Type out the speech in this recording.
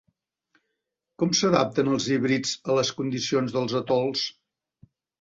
Com s'adapten els híbrids a les condicions dels atols?